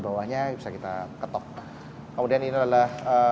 bawahnya bisa kita ketok kemudian ini adalah